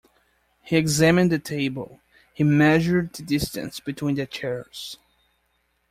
He examined the table, he measured the distance between the chairs.